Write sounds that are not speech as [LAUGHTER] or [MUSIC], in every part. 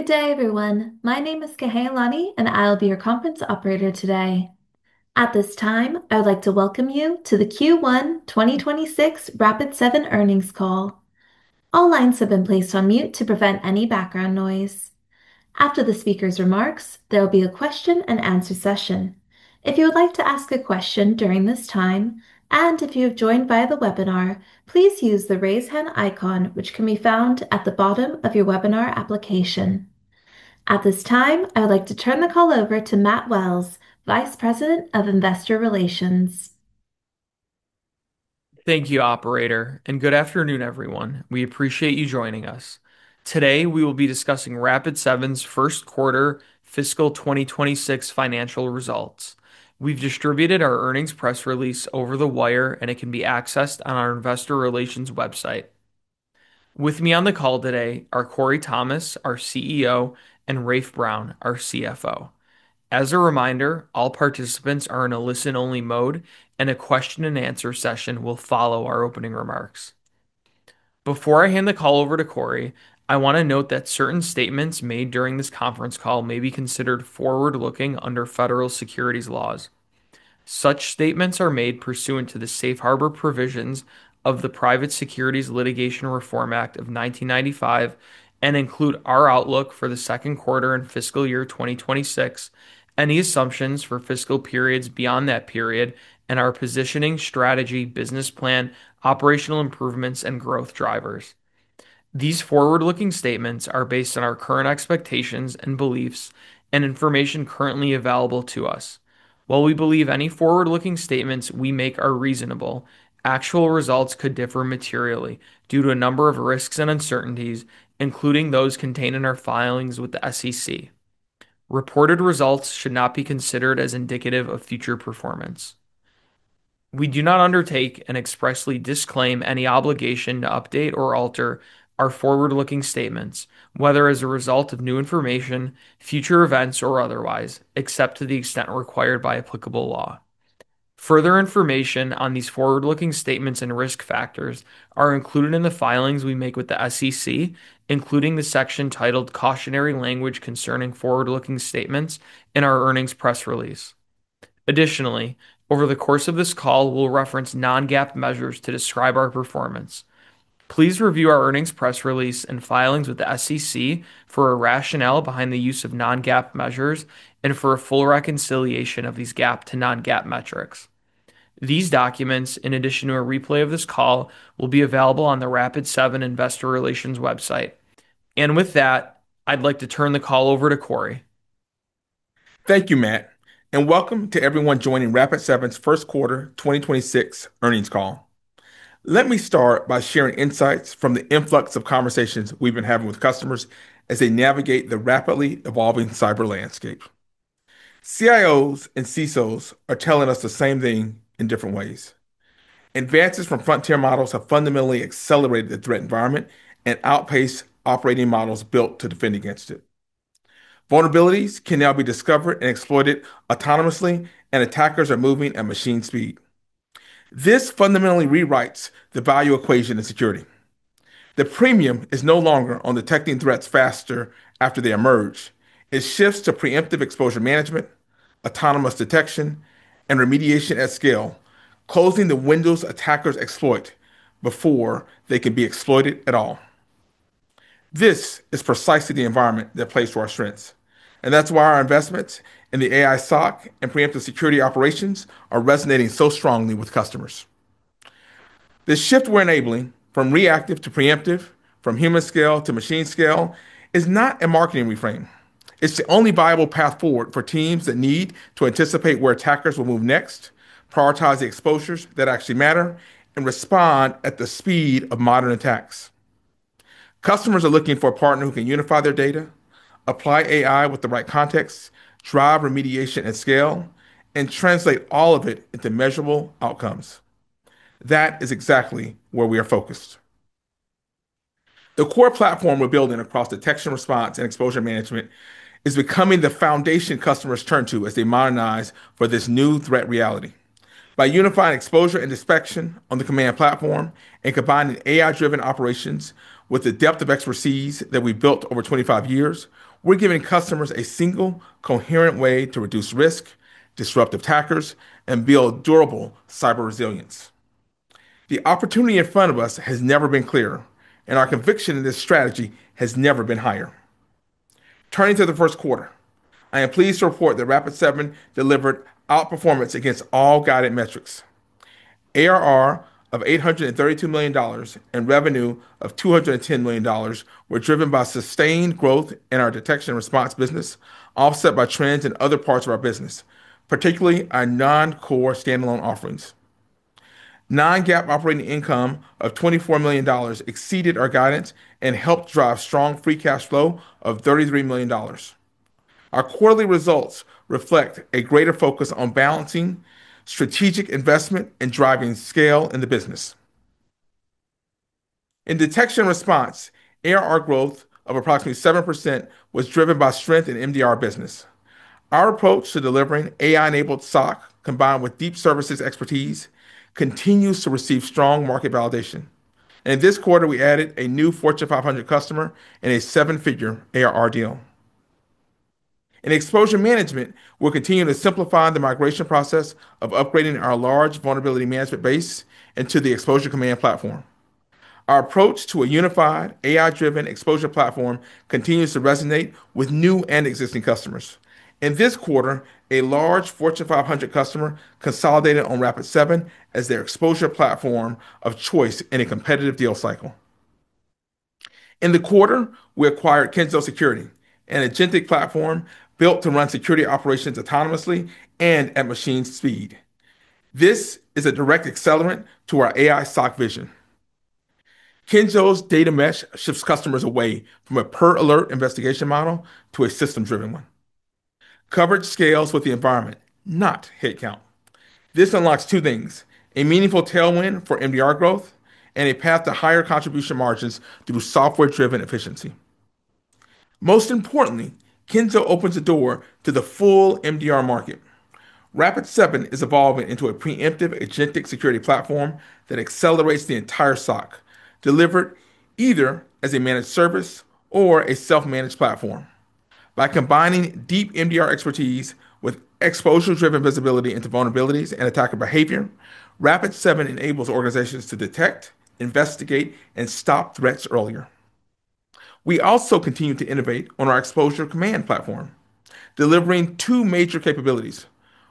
Good day, everyone. My name is Kahealani, and I'll be your conference operator today. At this time, I would like to Welcome you to the Q1 2026 Rapid7 earnings call. All lines have been placed on mute to prevent any background noise. After the speaker's remarks, there will be a question-and-answer session. If you would like to ask a question during this time, and if you have joined via the webinar, please use the raise hand icon, which can be found at the bottom of your webinar application. At this time, I would like to turn the call over to Matt Wells, Vice President of Investor Relations. Thank you, operator, and good afternoon, everyone. We appreciate you joining us. Today, we will be discussing Rapid7's first quarter fiscal 2026 financial results. We've distributed our earnings press release over the wire, and it can be accessed on our investor relations website. With me on the call today are Corey Thomas, our CEO, and Rafe Brown, our CFO. As a reminder, all participants are in a listen-only mode, and a question-and-answer session will follow our opening remarks. Before I hand the call over to Corey, I want to note that certain statements made during this conference call may be considered forward-looking under federal securities laws. Such statements are made pursuant to the Safe Harbor Provisions of the Private Securities Litigation Reform Act of 1995 and include our outlook for the second quarter and fiscal year 2026, any assumptions for fiscal periods beyond that period, and our positioning, strategy, business plan, operational improvements, and growth drivers. These forward-looking statements are based on our current expectations and beliefs and information currently available to us. While we believe any forward-looking statements we make are reasonable, actual results could differ materially due to a number of risks and uncertainties, including those contained in our filings with the SEC. Reported results should not be considered as indicative of future performance. We do not undertake and expressly disclaim any obligation to update or alter our forward-looking statements, whether as a result of new information, future events, or otherwise, except to the extent required by applicable law. Further information on these forward-looking statements and risk factors are included in the filings we make with the SEC, including the section titled Cautionary Language concerning forward-looking statements in our earnings press release. Over the course of this call, we'll reference non-GAAP measures to describe our performance. Please review our earnings press release and filings with the SEC for a rationale behind the use of non-GAAP measures and for a full reconciliation of these GAAP to non-GAAP metrics. These documents, in addition to a replay of this call, will be available on the Rapid7 investor relations website. I'd like to turn the call over to Corey. Thank you, Matt. Welcome to everyone joining Rapid7's first quarter 2026 earnings call. Let me start by sharing insights from the influx of conversations we've been having with customers as they navigate the rapidly evolving cyber landscape. CIOs and CISOs are telling us the same thing in different ways. Advances from frontier models have fundamentally accelerated the threat environment and outpaced operating models built to defend against it. Vulnerabilities can now be discovered and exploited autonomously, and attackers are moving at machine speed. This fundamentally rewrites the value equation in security. The premium is no longer on detecting threats faster after they emerge. It shifts to preemptive exposure management, autonomous detection, and remediation at scale, closing the windows attackers exploit before they can be exploited at all. This is precisely the environment that plays to our strengths, and that's why our investments in the AI SOC and preemptive security operations are resonating so strongly with customers. The shift we're enabling from reactive to preemptive, from human scale to machine scale, is not a marketing reframe. It's the only viable path forward for teams that need to anticipate where attackers will move next, prioritize the exposures that actually matter, and respond at the speed of modern attacks. Customers are looking for a partner who can unify their data, apply AI with the right context, drive remediation at scale, and translate all of it into measurable outcomes. That is exactly where we are focused. The core platform we're building across detection response, and exposure management is becoming the foundation customers turn to as they modernize for this new threat reality. By unifying exposure and inspection on the Command Platform and combining AI-driven operations with the depth of expertise that we've built over 25 years, we're giving customers a single coherent way to reduce risk, disrupt attackers, and build durable cyber resilience. The opportunity in front of us has never been clearer, and our conviction in this strategy has never been higher. Turning to the first quarter, I am pleased to report that Rapid7 delivered outperformance against all guided metrics. ARR of $832 million and revenue of $210 million were driven by sustained growth in our detection and response business, offset by trends in other parts of our business, particularly our non-core standalone offerings. Non-GAAP operating income of $24 million exceeded our guidance and helped drive strong free cash flow of $33 million. Our quarterly results reflect a greater focus on balancing strategic investment and driving scale in the business. In Detection and Response, ARR growth of approximately 7% was driven by strength in the MDR business. Our approach to delivering AI SOC, combined with deep services expertise, continues to receive strong market validation. This quarter, we added a new Fortune 500 customer and a 7-figure ARR deal. In Exposure Management, we're continuing to simplify the migration process of upgrading our large vulnerability management base into the Exposure Command Platform. Our approach to a unified AI-driven exposure platform continues to resonate with new and existing customers. In this quarter, a large Fortune 500 customer consolidated on Rapid7 as their exposure platform of choice in a competitive deal cycle. In the quarter, we acquired Kenzo Security, an agentic platform built to run security operations autonomously and at machine speed. This is a direct accelerant to our AI SOC vision. Kenzo's data mesh shifts customers away from a per-alert investigation model to a system-driven one. Coverage scales with the environment, not head count. This unlocks two things: a meaningful tailwind for MDR growth and a path to higher contribution margins through software-driven efficiency. Most importantly, Kenzo opens the door to the full MDR market. Rapid7 is evolving into a preemptive agentic security platform that accelerates the entire SOC, delivered either as a managed service or a self-managed platform. By combining deep MDR expertise with exposure-driven visibility into vulnerabilities and attacker behavior, Rapid7 enables organizations to detect, investigate, and stop threats earlier. We also continue to innovate on our Exposure Command platform, delivering two major capabilities,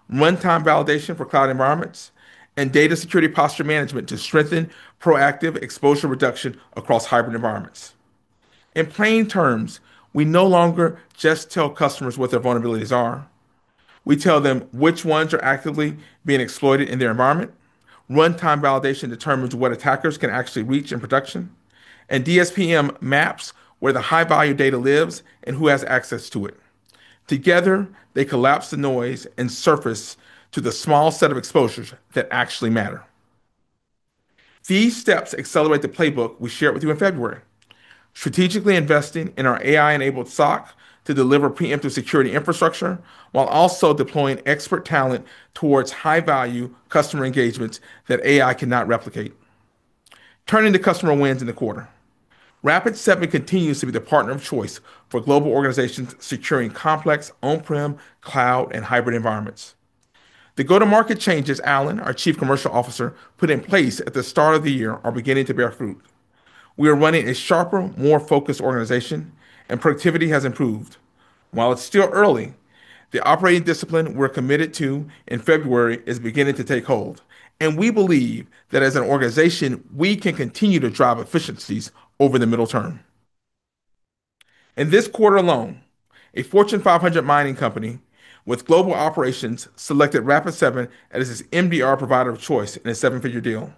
runtime validation for cloud environments, and data security posture management to strengthen proactive exposure reduction across hybrid environments. In plain terms, we no longer just tell customers what their vulnerabilities are. We tell them which ones are actively being exploited in their environment. Runtime validation determines what attackers can actually reach in production, and DSPM maps where the high-value data lives and who has access to it. Together, they collapse the noise and surface to the small set of exposures that actually matter. These steps accelerate the playbook we shared with you in February, strategically investing in our AI-enabled SOC to deliver preemptive security infrastructure while also deploying expert talent towards high-value customer engagements that AI cannot replicate. Turning to customer wins in the quarter, Rapid7 continues to be the partner of choice for global organizations securing complex on-prem, cloud, and hybrid environments. The go-to-market changes Alan, our Chief Commercial Officer, put in place at the start of the year are beginning to bear fruit. We are running a sharper, more focused organization, and productivity has improved. While it's still early, the operating discipline we're committed to in February is beginning to take hold, and we believe that as an organization, we can continue to drive efficiencies over the middle term. In this quarter alone, a Fortune 500 mining company with global operations selected Rapid7 as its MDR provider of choice in a 7-figure deal.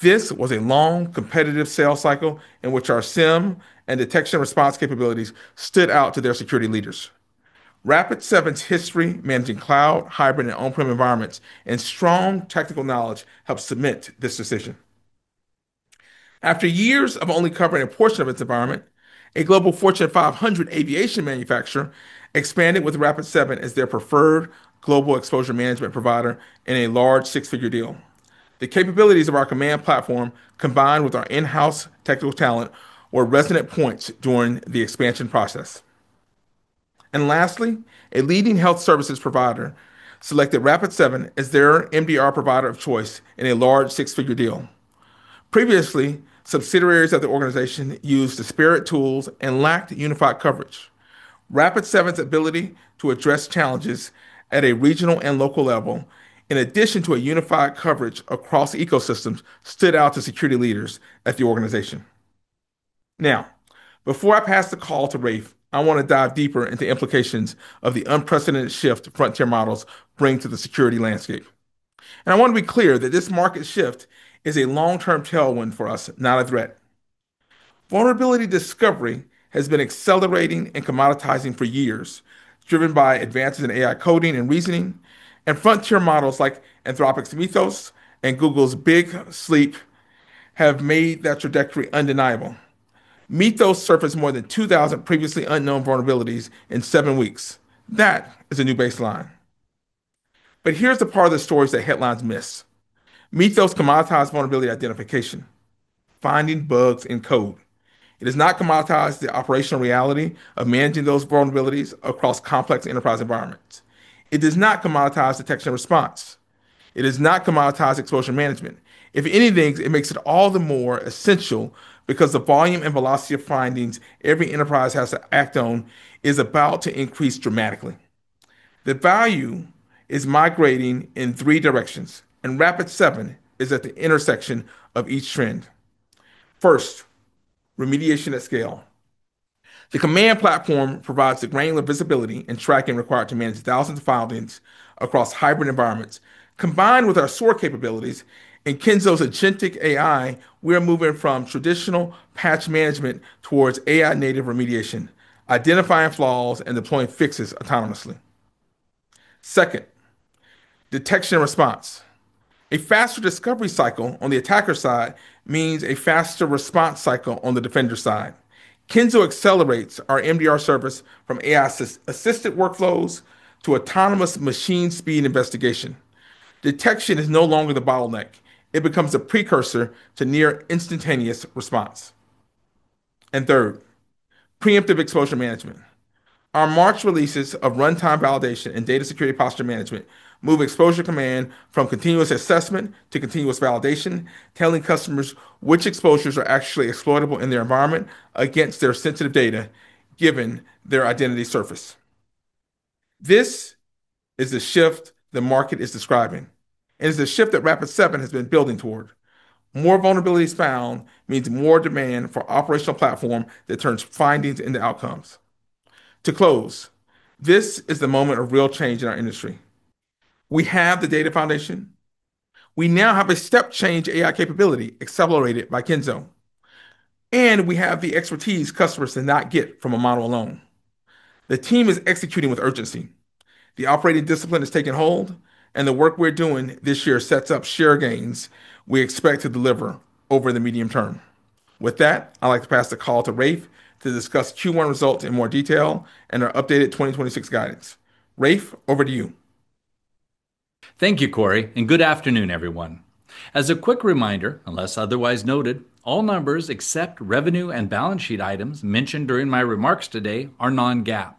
This was a long, competitive sales cycle in which our SIEM and detection response capabilities stood out to their security leaders. Rapid7's history managing cloud, hybrid, and on-prem environments, and strong technical knowledge helped cement this decision. After years of only covering a portion of its environment, a global Fortune 500 aviation manufacturer expanded with Rapid7 as their preferred global exposure management provider in a large 6-figure deal. The capabilities of our Command Platform, combined with our in-house technical talent, were resonant points during the expansion process. Lastly, a leading health services provider selected Rapid7 as their MDR provider of choice in a large six-figure deal. Previously, subsidiaries of the organization used disparate tools and lacked unified coverage. Rapid7's ability to address challenges at a regional and local level, in addition to a unified coverage across ecosystems, stood out to security leaders at the organization. Now, before I pass the call to Rafe, I want to dive deeper into the implications of the unprecedented shift frontier models bring to the security landscape. I want to be clear that this market shift is a long-term tailwind for us, not a threat. Vulnerability discovery has been accelerating and commoditizing for years, driven by advances in AI coding and reasoning. Frontier models like Anthropic's Mythos and Google's Big Sleep have made that trajectory undeniable. Mythos surfaced more than 2,000 previously unknown vulnerabilities in seven weeks. That is a new baseline. Here's the part of the stories that headlines miss. Mythos commoditize vulnerability identification, finding bugs in code. It has not commoditized the operational reality of managing those vulnerabilities across complex enterprise environments. It does not commoditize detection response. It has not commoditized exposure management. If anything, it makes it all the more essential because the volume and velocity of findings every enterprise has to act on is about to increase dramatically. The value is migrating in three directions, Rapid7 is at the intersection of each trend. First, remediation at scale. The Command Platform provides the granular visibility and tracking required to manage thousands of filings across hybrid environments. Combined with our SOAR capabilities and Kenzo's agentic AI, we are moving from traditional patch management towards AI-native remediation, identifying flaws and deploying fixes autonomously. Second, detection response. A faster discovery cycle on the attacker side means a faster response cycle on the defender side. Kenzo accelerates our MDR service from AI-as-assistant workflows to autonomous machine speed investigation. Detection is no longer the bottleneck. It becomes a precursor to near-instantaneous response. Third, preemptive exposure management. Our March releases of runtime validation and data security posture management move Exposure Command from continuous assessment to continuous validation, telling customers which exposures are actually exploitable in their environment against their sensitive data, given their identity surface. This is the shift the market is describing. It is the shift that Rapid7 has been building toward. More vulnerabilities found means more demand for operational platform that turns findings into outcomes. To close, this is the moment of real change in our industry. We have the data foundation. We now have a step-change AI capability accelerated by Kenzo, and we have the expertise customers do not get from a model alone. The team is executing with urgency. The operating discipline has taken hold, and the work we're doing this year sets up share gains we expect to deliver over the medium term. With that, I'd like to pass the call to Rafe to discuss Q1 results in more detail and our updated 2026 guidance. Rafe, over to you. Thank you, Corey, and good afternoon, everyone. As a quick reminder, unless otherwise noted, all numbers except revenue and balance sheet items mentioned during my remarks today are non-GAAP.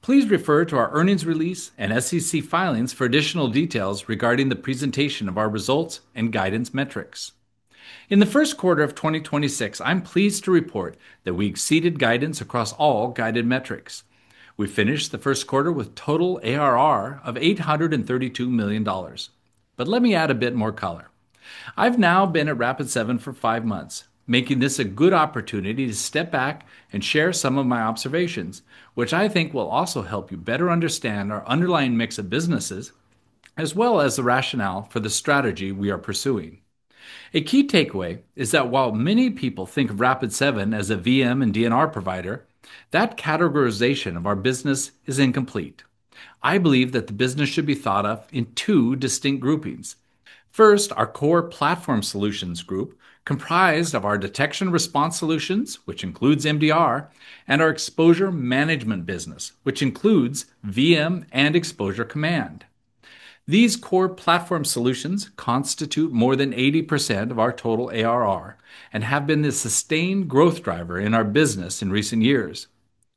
Please refer to our earnings release and SEC filings for additional details regarding the presentation of our results and guidance metrics. In the first quarter of 2026, I'm pleased to report that we exceeded guidance across all guided metrics. We finished the first quarter with a total ARR of $832 million. Let me add a bit more color. I've now been at Rapid7 for five months, making this a good opportunity to step back and share some of my observations, which I think will also help you better understand our underlying mix of businesses, as well as the rationale for the strategy we are pursuing. A key takeaway is that while many people think of Rapid7 as a VM and MDR provider, that categorization of our business is incomplete. I believe that the business should be thought of in two distinct groupings. First, our core platform solutions group, comprised of our detection response solutions, which includes MDR, and our exposure management business, which includes VM and Exposure Command. These core platform solutions constitute more than 80% of our total ARR and have been the sustained growth driver in our business in recent years.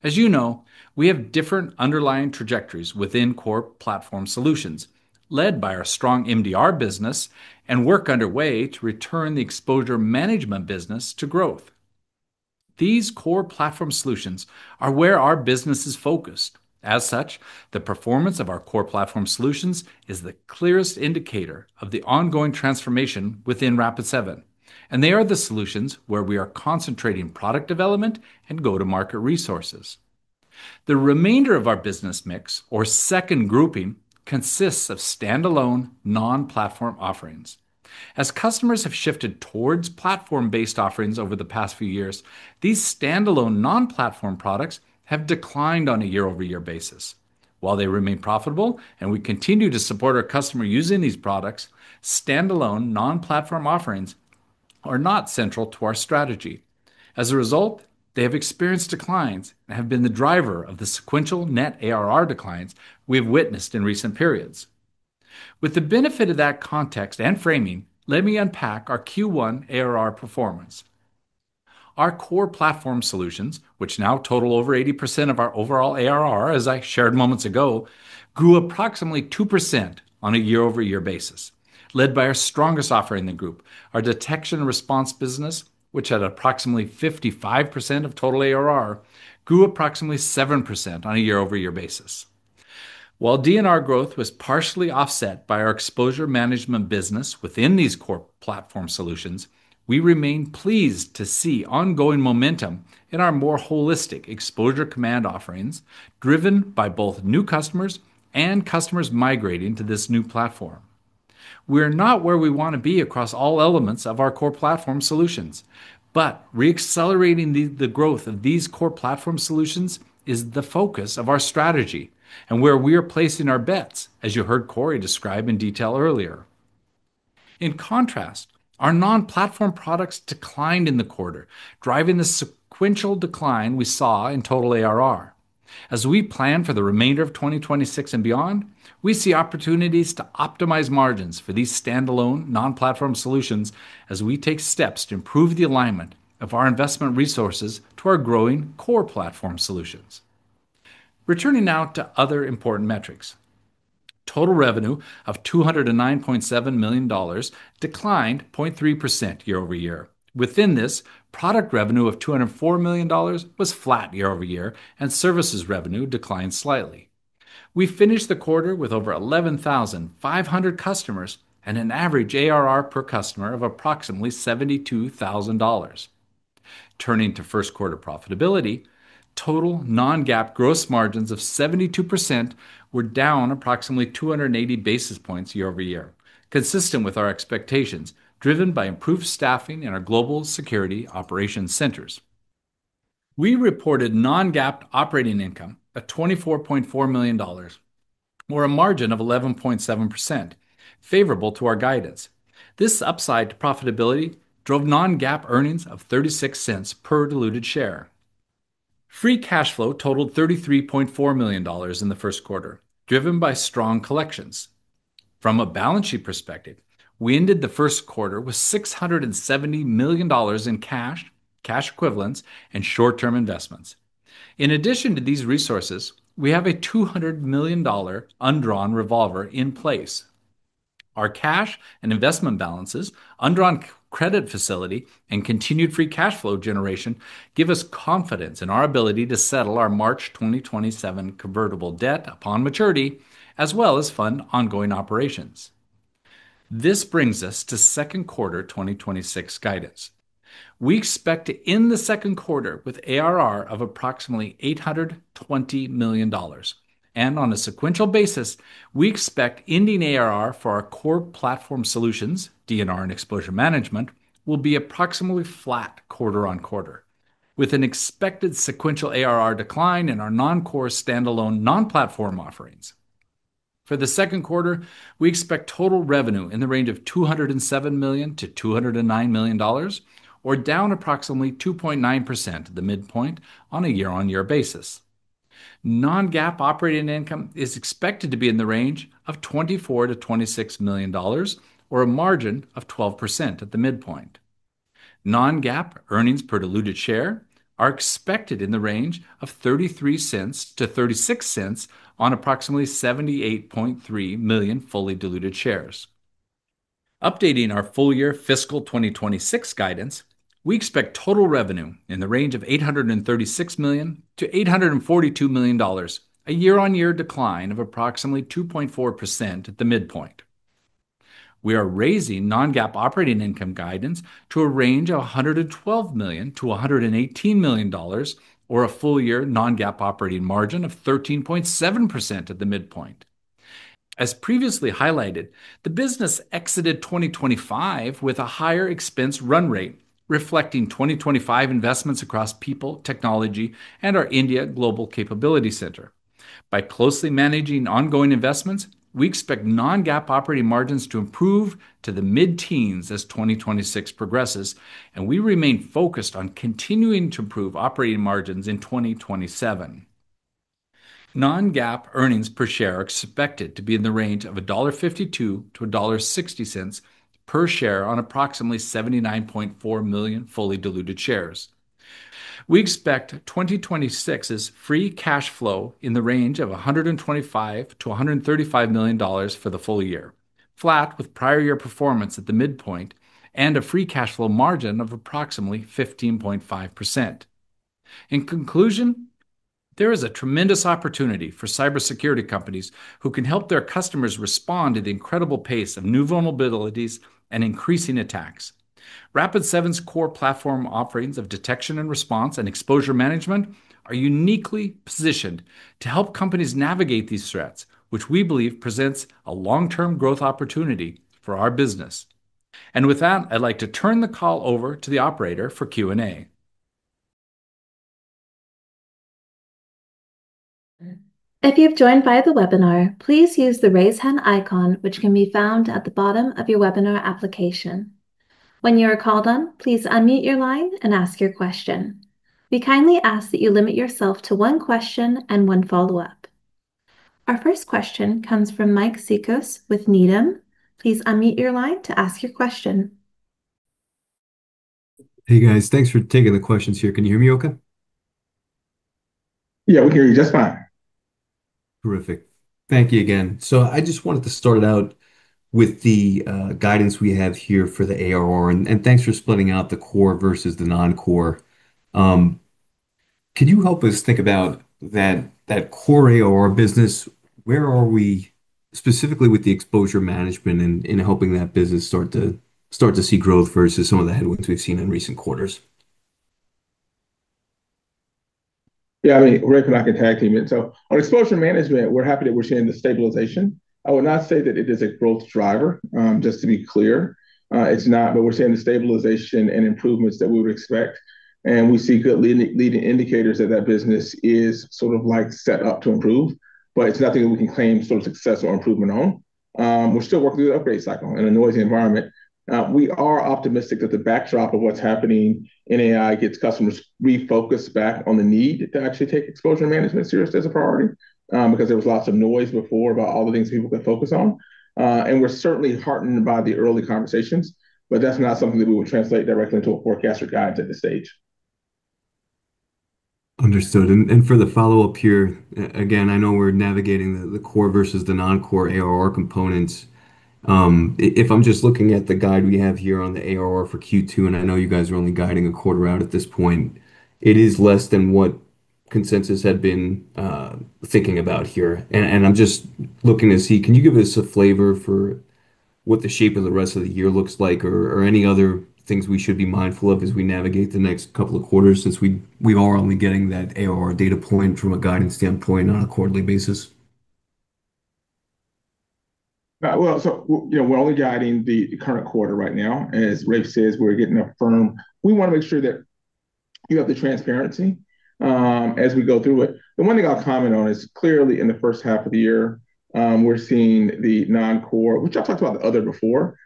As you know, we have different underlying trajectories within core platform solutions, led by our strong MDR business, and work underway to return the exposure management business to growth. These core platform solutions are where our business is focused. As such, the performance of our core platform solutions is the clearest indicator of the ongoing transformation within Rapid7, and they are the solutions where we are concentrating product development and go-to-market resources. The remainder of our business mix, or second grouping, consists of standalone non-platform offerings. As customers have shifted towards platform-based offerings over the past few years, these standalone non-platform products have declined on a year-over-year basis. While they remain profitable and we continue to support our customers using these products, standalone non-platform offerings are not central to our strategy. As a result, they have experienced declines and have been the driver of the sequential net ARR declines we have witnessed in recent periods. With the benefit of that context and framing, let me unpack our Q1 ARR performance. Our core platform solutions, which now total over 80% of our overall ARR, as I shared moments ago, grew approximately 2% on a year-over-year basis, led by our strongest offering in the group, our detection response business, which at approximately 55% of total ARR, grew approximately 7% on a year-over-year basis. While D&R growth was partially offset by our exposure management business within these core platform solutions, we remain pleased to see ongoing momentum in our more holistic Exposure Command offerings, driven by both new customers and customers migrating to this new platform. We are not where we want to be across all elements of our core platform solutions, but re-accelerating the growth of these core platform solutions is the focus of our strategy and where we are placing our bets, as you heard Corey describe in detail earlier. In contrast, our non-platform products declined in the quarter, driving the sequential decline we saw in total ARR. As we plan for the remainder of 2026 and beyond, we see opportunities to optimize margins for these standalone non-platform solutions as we take steps to improve the alignment of our investment resources to our growing core platform solutions. Returning now to other important metrics. Total revenue of $209.7 million declined 0.3% year-over-year. Within this, product revenue of $204 million was flat year-over-year, and services revenue declined slightly. We finished the quarter with over 11,500 customers and an average ARR per customer of approximately $72,000. Turning to first quarter profitability, total non-GAAP gross margins of 72% were down approximately 280 basis points year-over-year, consistent with our expectations, driven by improved staffing in our global security operation centers. We reported non-GAAP operating income at $24.4 million, or a margin of 11.7%, favorable to our guidance. This upside to profitability drove non-GAAP earnings of $0.36 per diluted share. Free cash flow totaled $33.4 million in the first quarter, driven by strong collections. From a balance sheet perspective, we ended the first quarter with $670 million in cash equivalents, and short-term investments. In addition to these resources, we have a $200 million undrawn revolver in place. Our cash and investment balances, undrawn credit facility, and continued free cash flow generation give us confidence in our ability to settle our March 2027 convertible debt upon maturity, as well as fund ongoing operations. This brings us to second quarter 2026 guidance. We expect to end the second quarter with ARR of approximately $820 million. On a sequential basis, we expect ending ARR for our core platform solutions, D&R and Exposure Management, will be approximately flat quarter-on-quarter, with an expected sequential ARR decline in our non-core standalone non-platform offerings. For the second quarter, we expect total revenue in the range of $207 million-$209 million, or down approximately 2.9% the midpoint on a year-on-year basis. Non-GAAP operating income is expected to be in the range of $24 million-$26 million, or a margin of 12% at the midpoint. Non-GAAP earnings per diluted share are expected in the range of $0.33-$0.36 on approximately 78.3 million fully diluted shares. Updating our full year fiscal 2026 guidance, we expect total revenue in the range of $836 million-$842 million, a year-on-year decline of approximately 2.4% at the midpoint. We are raising non-GAAP operating income guidance to a range of $112 million-$118 million, or a full-year non-GAAP operating margin of 13.7% at the midpoint. As previously highlighted, the business exited 2025 with a higher expense run rate, reflecting 2025 investments across people, technology, and our India Global Capability Center. By closely managing ongoing investments, we expect non-GAAP operating margins to improve to the mid-teens as 2026 progresses, and we remain focused on continuing to improve operating margins in 2027. Non-GAAP earnings per share are expected to be in the range of $1.52-$1.60 per share on approximately 79.4 million fully diluted shares. We expect 2026's free cash flow in the range of $125 million-$135 million for the full-year, flat with prior year performance at the midpoint, and a free cash flow margin of approximately 15.5%. In conclusion, there is a tremendous opportunity for cybersecurity companies who can help their customers respond at the incredible pace of new vulnerabilities and increasing attacks. Rapid7's core platform offerings of detection and response and exposure management are uniquely positioned to help companies navigate these threats, which we believe presents a long-term growth opportunity for our business. With that, I'd like to turn the call over to the operator for Q&A. If you've joined via the webinar, please use the raise hand icon, which can be found at the bottom of your webinar application. When you are called on, please unmute your line and ask your question. We kindly ask that you limit yourself to one question and one follow-up. Our first question comes from Mike Cikos with Needham. Please unmute your line to ask your question. Hey, guys. Thanks for taking the questions here. Can you hear me okay? Yeah, we can hear you just fine. Terrific. Thank you again. I just wanted to start out with the guidance we have here for the ARR, and thanks for splitting out the core versus the non-core. Could you help us think about that core ARR business? Where are we specifically with the exposure management in helping that business start to see growth versus some of the headwinds we've seen in recent quarters? Yeah, I mean, Rafe and I can tag team it. On exposure management, we're happy that we're seeing the stabilization. I would not say that it is a growth driver, just to be clear. It's not, we're seeing the stabilization and improvements that we would expect, and we see good leading indicators that that business is sort of like set up to improve. It's nothing that we can claim sort of success or improvement on. We're still working through the upgrade cycle in a noisy environment. We are optimistic that the backdrop of what's happening in AI gets customers refocused back on the need to actually take exposure management seriously as a priority, because there was lots of noise before about all the things people could focus on. We're certainly heartened by the early conversations, but that's not something that we would translate directly into a forecast or guide at this stage. Understood. For the follow-up here, again, I know we're navigating the core versus the non-core ARR components. If I'm just looking at the guide we have here on the ARR for Q2, and I know you guys are only guiding a quarter out at this point, it is less than what consensus had been thinking about here. I'm just looking to see, can you give us a flavor for what the shape of the rest of the year looks like, or any other things we should be mindful of as we navigate the next couple of quarters, since we are only getting that ARR data point from a guidance standpoint on a quarterly basis? Well, you know, we're only guiding the current quarter right now. As Rafe says, we're getting a firm. We wanna make sure that you have the transparency as we go through it. The one thing I'll comment on is clearly in the first half of the year, we're seeing the non-core, which I talked about the other before,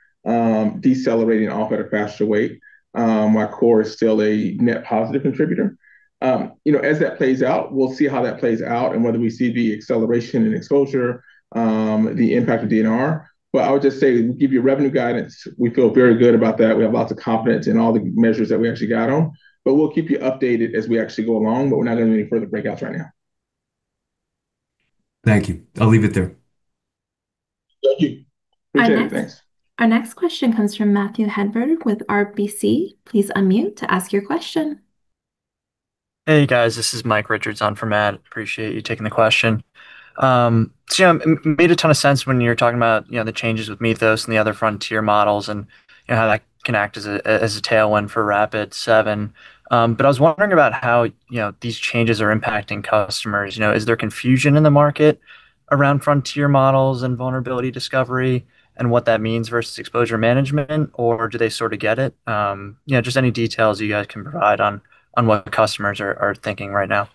decelerating off at a faster rate. Our core is still a net positive contributor. You know, as that plays out, we'll see how that plays out and whether we see the acceleration in Exposure, the impact of D&R. I would just say, give you revenue guidance, we feel very good about that. We have lots of confidence in all the measures that we actually got on. We'll keep you updated as we actually go along, but we're not doing any further breakouts right now. Thank you. I'll leave it there. Thank you. Appreciate it. Thanks. Our next question comes from Matthew Hedberg with RBC. Hey, guys. This is Mike Richards on for Matt. Appreciate you taking the question. Yeah, made a ton of sense when you were talking about, you know, the changes with Mythos and the other frontier models, and, you know, how that can act as a, as a tailwind for Rapid7. I was wondering about how, you know, these changes are impacting customers. You know, is there confusion in the market around frontier models and vulnerability discovery and what that means versus exposure management, or do they sort of get it? You know, just any details you guys can provide on what customers are thinking right now.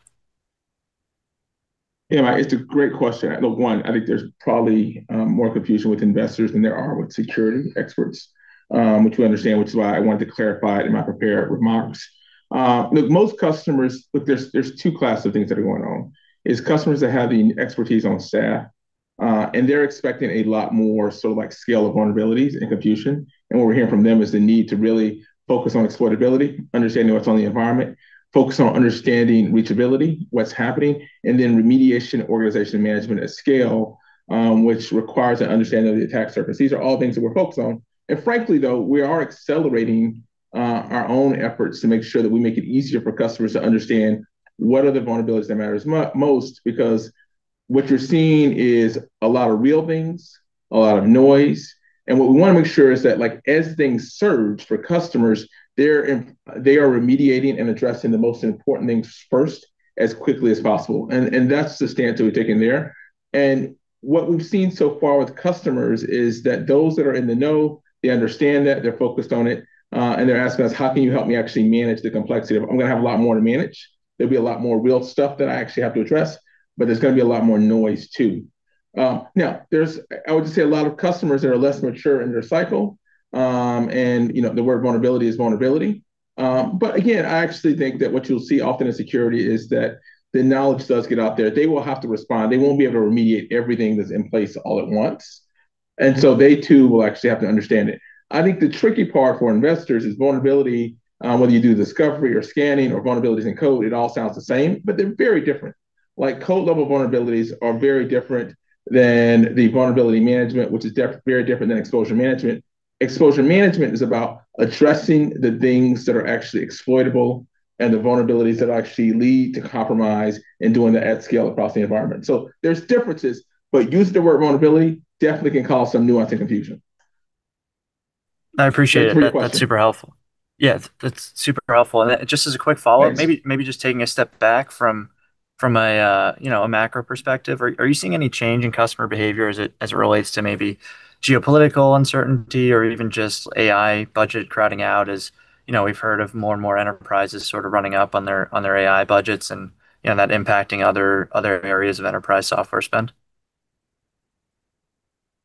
Yeah, Mike, it's a great question. Look, one, I think there's probably more confusion with investors than there are with security experts, which we understand, which is why I wanted to clarify it in my prepared remarks. Look, most customers, there's two classes of things that are going on, is customers that have the expertise on staff, and they're expecting a lot more sort of like scale of vulnerabilities and confusion. What we're hearing from them is the need to really focus on exploitability, understanding what's on the environment. Focus on understanding reachability, what's happening, and then remediation organization management at scale, which requires an understanding of the attack surface. These are all things that we're focused on. Frankly, though, we are accelerating our own efforts to make sure that we make it easier for customers to understand what are the vulnerabilities that matters most. What you're seeing is a lot of real things, a lot of noise. What we wanna make sure is that, like, as things surge for customers, they are remediating and addressing the most important things first as quickly as possible. That's the stance that we've taken there. What we've seen so far with customers is that those that are in the know, they understand that, they're focused on it, and they're asking us. How can you help me actually manage the complexity of it? I'm gonna have a lot more to manage. There'll be a lot more real stuff that I actually have to address, but there's gonna be a lot more noise too. Now there's, I would just say a lot of customers that are less mature in their cycle, and, you know, the word vulnerability is vulnerability. Again, I actually think that what you'll see often in security is that the knowledge does get out there. They will have to respond. They won't be able to remediate everything that's in place all at once. They too will actually have to understand it. I think the tricky part for investors is vulnerability, whether you do discovery or scanning or vulnerabilities in code, it all sounds the same, but they're very different. Like, code-level vulnerabilities are very different than the vulnerability management, which is very different than exposure management. Exposure management is about addressing the things that are actually exploitable and the vulnerabilities that actually lead to compromise and doing that at scale across the environment. There's differences, but using the word vulnerability definitely can cause some nuance and confusion. I appreciate it. Great question. That's super helpful. Yeah, that's super helpful. Just as a quick follow-up. Yes. Maybe just taking a step back from a, you know, a macro perspective, are you seeing any change in customer behavior as it relates to maybe geopolitical uncertainty or even just AI budget crowding out? As you know, we've heard of more and more enterprises sort of running up on their AI budgets and, you know, that impacting other areas of enterprise software spend.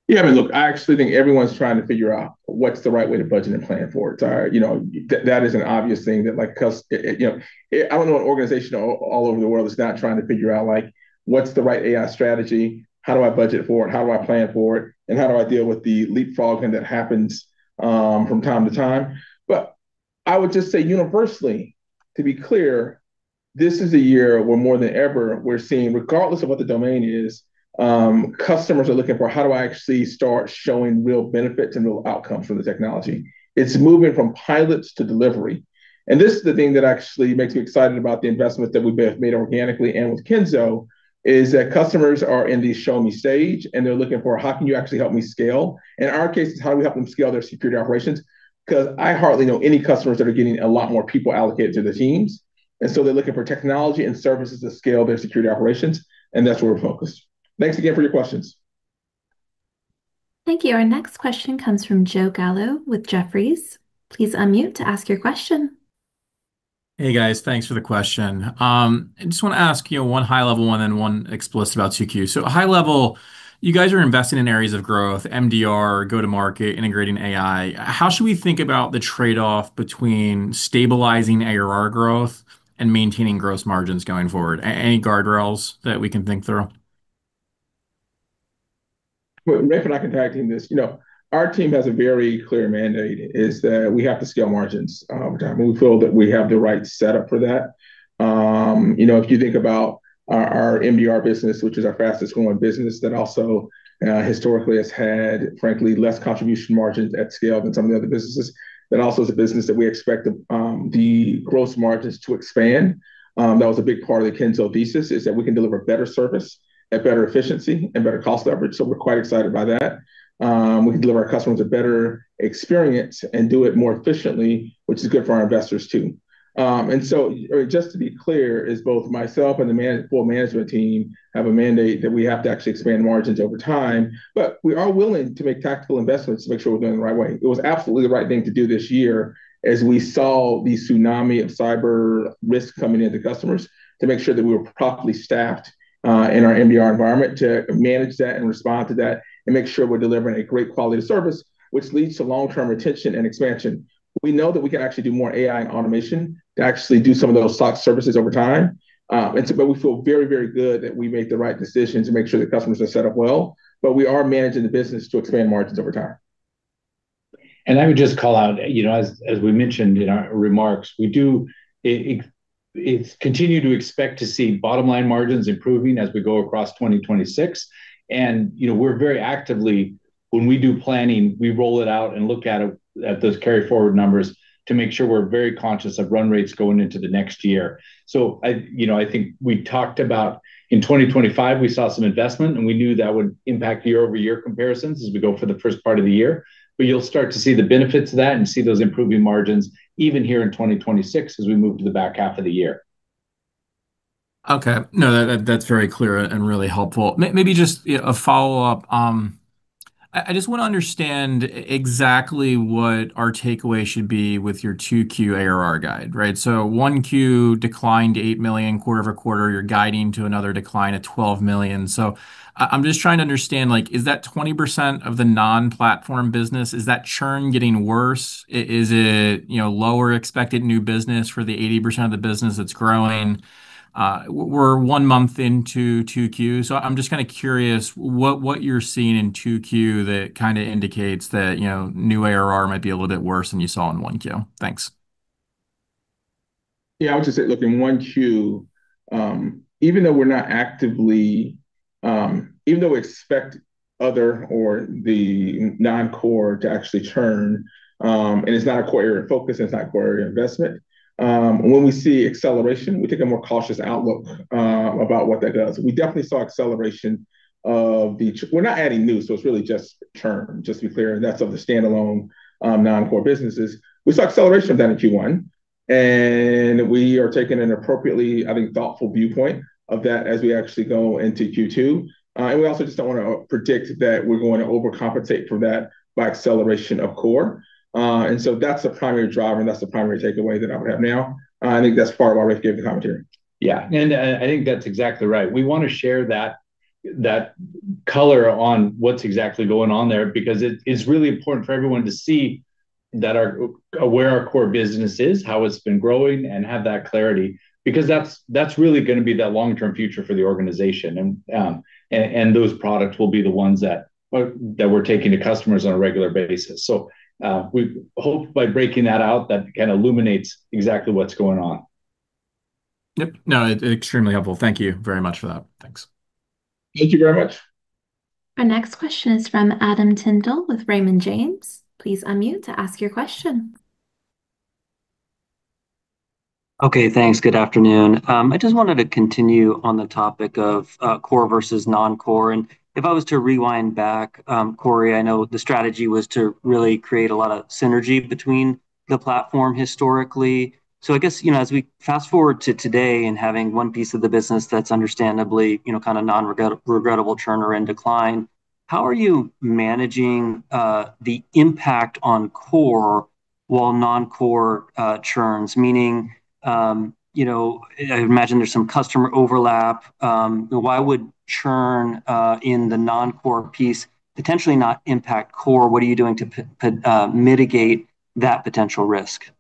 Yeah, I mean, look, I actually think everyone's trying to figure out what's the right way to budget and plan for it. You know, that is an obvious thing that like, you know, I don't know an organization all over the world that's not trying to figure out, like, what's the right AI strategy? How do I budget for it? How do I plan for it? How do I deal with the leapfrogging that happens from time to time? I would just say universally, to be clear, this is a year where more than ever we're seeing, regardless of what the domain is, customers are looking for. How do I actually start showing real benefits and real outcomes from the technology? It's moving from pilots to delivery. This is the thing that actually makes me excited about the investments that we've made organically and with Kenzo, is that customers are in the show-me stage, and they're looking for. How can you actually help me scale? In our case, it's how do we help them scale their security operations? 'Cause I hardly know any customers that are getting a lot more people allocated to their teams, They're looking for technology and services to scale their security operations, and that's where we're focused. Thanks again for your questions. Thank you. Our next question comes from Joe Gallo with Jefferies. Please unmute to ask your question. Hey, guys. Thanks for the question. I just want to ask, you know, one high-level one and one explicit about 2Q. High-level, you guys are investing in areas of growth, MDR, go-to-market, integrating AI. How should we think about the trade-off between stabilizing ARR growth and maintaining gross margins going forward? Any guardrails that we can think through? Well, Rafe and I can tag team this. You know, our team has a very clear mandate, is that we have to scale margins over time, and we feel that we have the right setup for that. You know, if you think about our MDR business, which is our fastest growing business, that also historically has had, frankly, less contribution margins at scale than some of the other businesses, that also is a business that we expect the gross margins to expand. That was a big part of the Kenzo thesis, is that we can deliver better service at better efficiency and better cost leverage, so we're quite excited by that. We can deliver our customers a better experience and do it more efficiently, which is good for our investors too. Just to be clear, is both myself and the full management team have a mandate that we have to actually expand margins over time. We are willing to make tactical investments to make sure we're going the right way. It was absolutely the right thing to do this year as we saw the tsunami of cyber risk coming into customers, to make sure that we were properly staffed in our MDR environment to manage that and respond to that and make sure we're delivering a great quality of service, which leads to long-term retention and expansion. We know that we can actually do more AI and automation to actually do some of those SOC services over time. We feel very, very good that we made the right decisions and make sure the customers are set up well, but we are managing the business to expand margins over time. I would just call out, you know, as we mentioned in our remarks, we do continue to expect to see bottom-line margins improving as we go across 2026. You know, we're very actively, when we do planning, we roll it out and look at those carry forward numbers to make sure we're very conscious of run rates going into the next year. I, you know, I think we talked about in 2025, we saw some investment, and we knew that would impact year-over-year comparisons as we go for the first part of the year. You'll start to see the benefits of that and see those improving margins even here in 2026 as we move to the back half of the year. Okay. No, that's very clear and really helpful. Maybe just, yeah, a follow-up. I just wanna understand exactly what our takeaway should be with your 2Q ARR guide, right? 1Q declined to $8 million quarter-over-quarter, you're guiding to another decline at $12 million. I'm just trying to understand, like, is that 20% of the non-platform business, is that churn getting worse? Is it, you know, lower expected new business for the 80% of the business that's growing? We're one month into 2Q. I'm just kinda curious what you're seeing in 2Q that kinda indicates that, you know, new ARR might be a little bit worse than you saw in 1Q. Thanks. I would just say, look, in 1Q, even though we're not actively, even though we expect other or the non-core to actually churn, and it's not a core area of focus and it's not a core area of investment, when we see acceleration, we take a more cautious outlook about what that does. We definitely saw acceleration of the. We're not adding new, it's really just churn, just to be clear, and that's of the standalone, non-core businesses. We saw acceleration of that in Q1. We are taking an appropriately, I think, thoughtful viewpoint of that as we actually go into Q2. We also just don't wanna predict that we're going to overcompensate for that by acceleration of core. That's the primary driver, and that's the primary takeaway that I would have now. I think that's part of why Rafe gave the commentary. Yeah. I think that's exactly right. We want to share that color on what's exactly going on there because it is really important for everyone to see where our core business is, how it's been growing, and have that clarity. That's really going to be that long-term future for the organization. Those products will be the ones that we're taking to customers on a regular basis. We hope by breaking that out, that kind of illuminates exactly what's going on. Yep. No, extremely helpful. Thank you very much for that. Thanks. Thank you very much. Our next question is from Adam Tindle with Raymond James. Please unmute to ask your question. Okay, thanks. Good afternoon. I just wanted to continue on the topic of core versus non-core. If I was to rewind back, Corey, I know the strategy was to really create a lot of synergy between the platform historically. I guess, you know, as we fast-forward to today and having one piece of the business that's understandably, you know, kinda non-regrettable churn are in decline, how are you managing the impact on core while non-core churns? Meaning, you know, I imagine there's some customer overlap. Why would churn in the non-core piece potentially not impact core? What are you doing to mitigate that potential risk?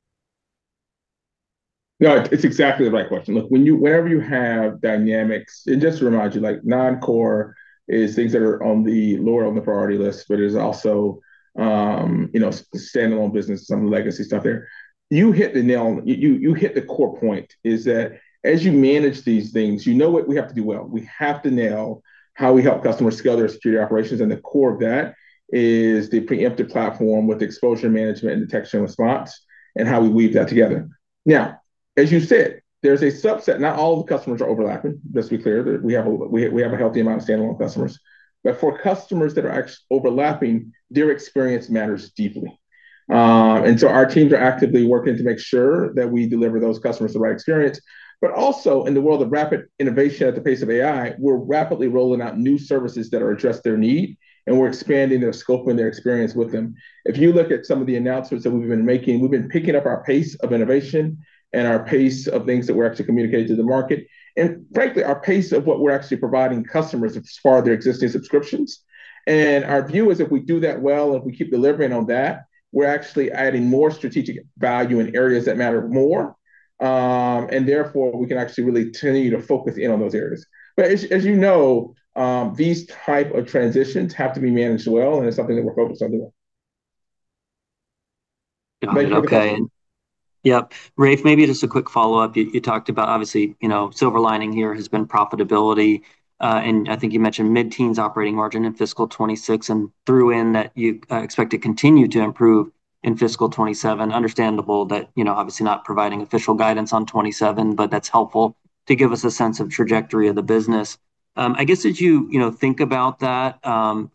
No, it's exactly the right question. Look, wherever you have dynamics, and just to remind you, like, non-core is things that are on the lower on the priority list, but it is also, you know, standalone business, some legacy stuff there. You hit the nail, you hit the core point is that as you manage these things, you know what we have to do well. We have to nail how we help customers scale their security operations, and the core of that is the Preempt platform with exposure management and detection response and how we weave that together. As you said, there's a subset, not all of the customers are overlapping. Let's be clear that we have a healthy amount of standalone customers. For customers that are overlapping, their experience matters deeply. Our teams are actively working to make sure that we deliver those customers the right experience. In the world of rapid innovation at the pace of AI, we're rapidly rolling out new services that are addressed their need, and we're expanding their scope and their experience with them. If you look at some of the announcements that we've been making, we've been picking up our pace of innovation and our pace of things that we're actually communicating to the market, our pace of what we're actually providing customers as far as their existing subscriptions. Our view is if we do that well, if we keep delivering on that, we're actually adding more strategic value in areas that matter more. We can actually really continue to focus in on those areas. As you know, these type of transitions have to be managed well, and it's something that we're focused on doing. Got it. Okay. Yep, Rafe, maybe just a quick follow-up. You talked about, obviously, you know, silver lining here has been profitability. I think you mentioned mid-teens operating margin in fiscal 2026 and threw in that you expect to continue to improve in fiscal 2027. Understandable that, you know, obviously not providing official guidance on 2027, that's helpful to give us a sense of trajectory of the business. I guess as you know, think about that,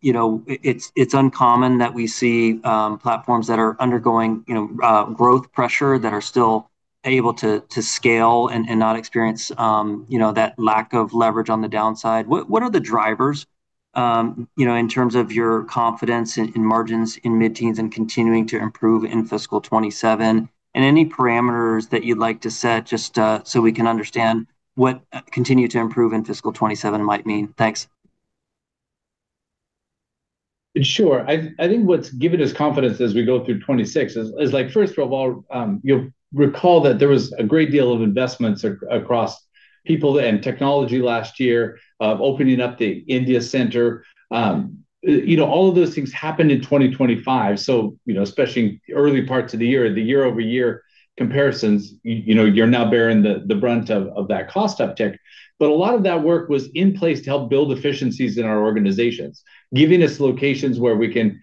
you know, it's uncommon that we see platforms that are undergoing, you know, growth pressure that are still able to scale and not experience, you know, that lack of leverage on the downside. What are the drivers, you know, in terms of your confidence in margins in mid-teens and continuing to improve in fiscal 2027? Any parameters that you'd like to set, just, so we can understand what continue to improve in fiscal 2027 might mean. Thanks. Sure. I think what's given us confidence as we go through 26 is like, first of all, you'll recall that there was a great deal of investments across people and technology last year of opening up the India center. You know, all of those things happened in 2025, you know, especially early parts of the year, the year-over-year comparisons, you know, you're now bearing the brunt of that cost uptick. A lot of that work was in place to help build efficiencies in our organizations, giving us locations where we can,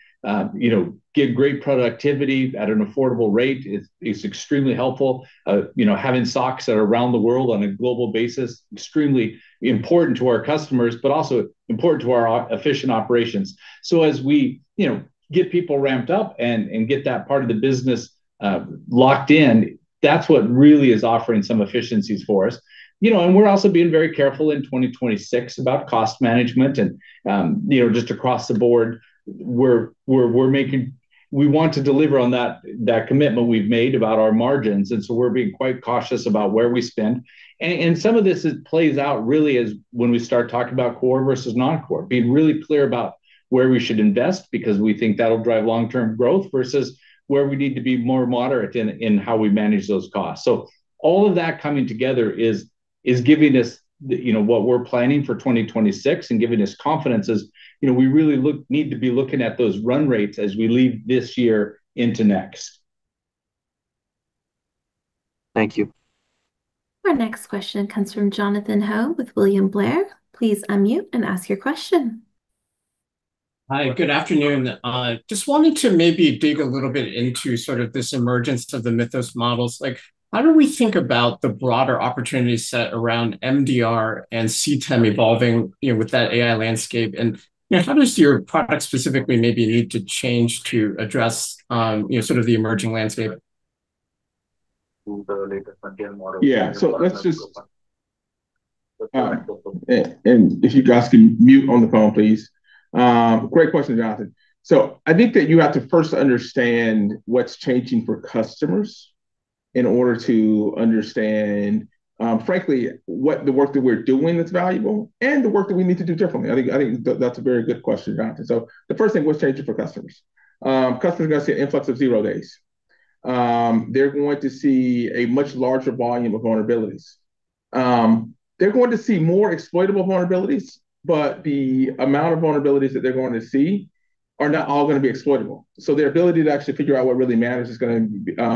you know, give great productivity at an affordable rate. It's extremely helpful. You know, having SOCs that are around the world on a global basis, extremely important to our customers, but also important to our efficient operations. As we, you know, get people ramped up and get that part of the business locked in, that's what really is offering some efficiencies for us. You know, we're also being very careful in 2026 about cost management, you know, just across the board, we want to deliver on that commitment we've made about our margins. We're being quite cautious about where we spend. Some of this plays out really as when we start talking about core versus non-core. Being really clear about where we should invest because we think that'll drive long-term growth versus where we need to be more moderate in how we manage those costs. All of that coming together is giving us, you know, what we're planning for 2026 and giving us confidence as, you know, we need to be looking at those run rates as we leave this year into next. Thank you. Our next question comes from Jonathan Ho with William Blair. Please unmute and ask your question. Hi, good afternoon. Just wanted to maybe dig a little bit into sort of this emergence of the Mythos models. Like, how do we think about the broader opportunity set around MDR and CTEM evolving, you know, with that AI landscape? How does your product specifically maybe need to change to address, you know, sort of the emerging landscape? Yeah. Let's just, and if you guys can mute on the phone, please. Great question, Jonathan. I think that you have to first understand what's changing for customers in order to understand, frankly, what the work that we're doing that's valuable and the work that we need to do differently. I think that's a very good question, Jonathan. The first thing, what's changing for customers? Customers are gonna see an influx of zero days. They're going to see a much larger volume of vulnerabilities. They're going to see more exploitable vulnerabilities, but the amount of vulnerabilities that they're going to see are not all gonna be exploitable. Their ability to actually figure out what really matters is gonna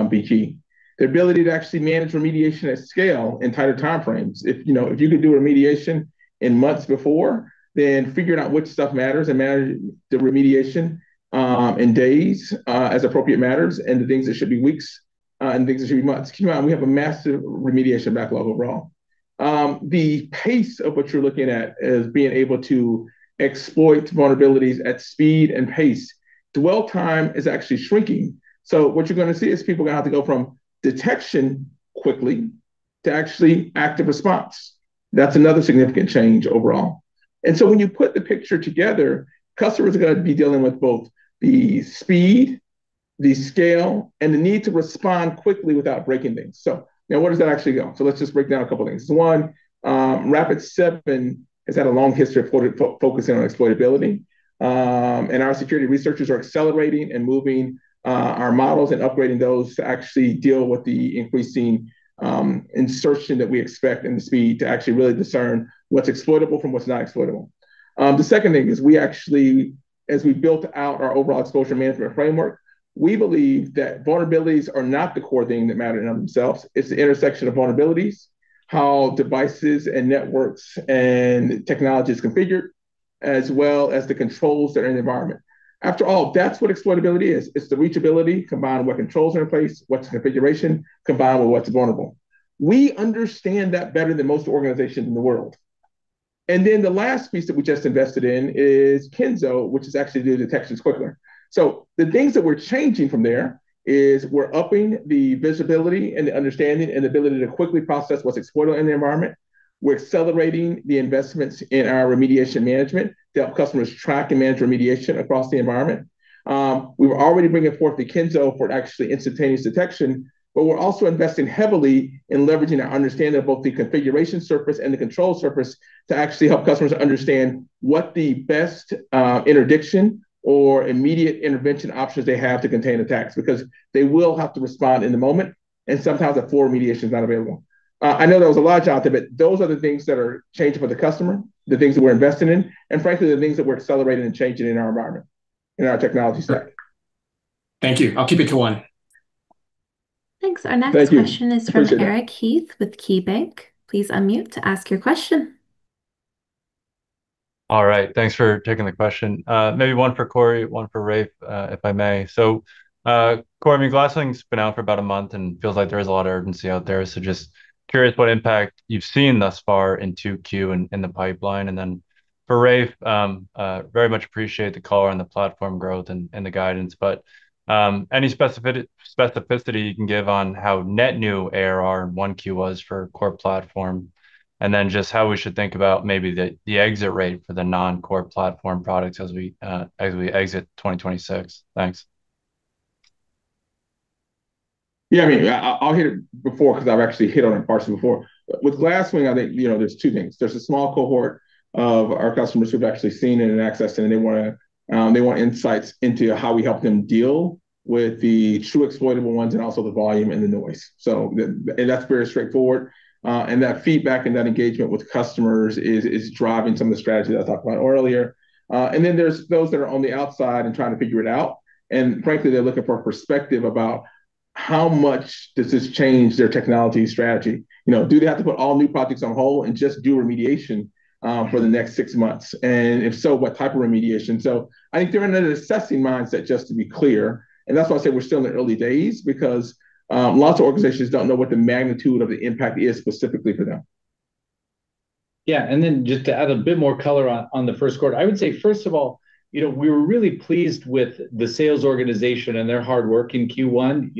be key. Their ability to actually manage remediation at scale in tighter time frames. If, you know, if you could do a remediation in months before, then figuring out which stuff matters and manage the remediation, in days, as appropriate matters, and the things that should be weeks, and things that should be months. Keep in mind, we have a massive remediation backlog overall. The pace of what you're looking at is being able to exploit vulnerabilities at speed and pace. Dwell time is actually shrinking, what you're gonna see is people are gonna have to go from detection quickly to actually active response. That's another significant change overall. When you put the picture together, customers are gonna be dealing with both the speed, the scale, and the need to respond quickly without breaking things. Now, where does that actually go? Let's just break down a couple things. One, Rapid7 has had a long history of focusing on exploitability. Our security researchers are accelerating and moving our models and upgrading those to actually deal with the increasing insertion that we expect and the speed to actually really discern what's exploitable from what's not exploitable. The second thing is we actually, as we built out our overall exposure management framework, we believe that vulnerabilities are not the core thing that matter in and of themselves. It's the intersection of vulnerabilities, how devices and networks and technology is configured, as well as the controls that are in the environment. After all, that's what exploitability is. It's the reachability combined with what controls are in place, what's the configuration, combined with what's vulnerable. We understand that better than most organizations in the world. The last piece that we just invested in is Kenzo, which is actually to do detections quicker. The things that we're changing from there is we're upping the visibility and the understanding and ability to quickly process what's exploitable in the environment. We're accelerating the investments in our remediation management to help customers track and manage remediation across the environment. We were already bringing forth the Kenzo for actually instantaneous detection, but we're also investing heavily in leveraging our understanding of both the configuration surface and the control surface to actually help customers understand what the best interdiction or immediate intervention options they have to contain attacks, because they will have to respond in the moment, and sometimes a full remediation is not available. I know that was a lot, Jonathan, but those are the things that are changing for the customer, the things that we're investing in, and frankly, the things that we're accelerating and changing in our environment, in our technology stack. Thank you. I'll keep it to one. Thanks. Thank you. Appreciate it. Our next question is from Eric Heath with KeyBanc. All right. Thanks for taking the question. Maybe one for Corey, one for Rafe, if I may. Corey, I mean, Project Glasswing been out for about a month, and it feels like there is a lot of urgency out there, so just curious what impact you've seen thus far in 2Q in the pipeline. For Rafe, very much appreciate the color on the platform growth and the guidance, but any specificity you can give on how net new ARR in 1Q was for core platform, and then just how we should think about maybe the exit rate for the non-core platform products as we exit 2026. Thanks. Yeah, I mean, I'll hit it before 'cause I've actually hit on it partially before. With Glasswing, I think, you know, there's two things. There's a small cohort of our customers who have actually seen it and accessed it, and they wanna, they want insights into how we help them deal with the true exploitable ones and also the volume and the noise. That's very straightforward. That feedback and that engagement with customers is driving some of the strategy that I talked about earlier. Then there's those that are on the outside and trying to figure it out, and frankly, they're looking for a perspective about how much does this change their technology strategy? You know, do they have to put all new projects on hold and just do remediation for the next six months? If so, what type of remediation? I think they're in an assessing mindset, just to be clear, and that's why I say we're still in the early days because lots of organizations don't know what the magnitude of the impact is specifically for them. Yeah. Then just to add a bit more color on the first quarter. I would say, first of all, you know, we were really pleased with the sales organization and their hard work in Q1.